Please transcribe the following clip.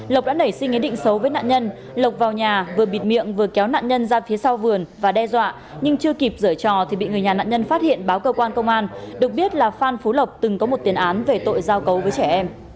hãy đăng ký kênh để ủng hộ kênh của chúng mình nhé